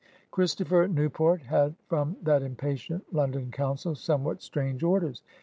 Christopher Newport had from that impatient London Council somewhat strange orders.